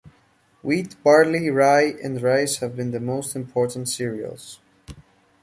Wheat, barley, rye and rice have been the most important cereals.